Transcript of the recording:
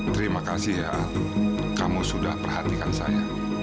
terima kasih ya kamu sudah perhatikan saya